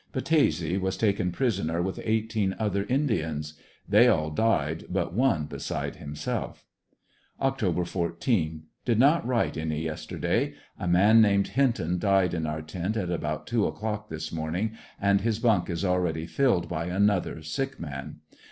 Battese was taken prisoner with eighteen other Indians; they all died but one beside himself. Oct. 14. — Did not write any yesterday. A man named Hinton died in our tent at about two o'clock this morning, and his bunk is already filled by another sick man.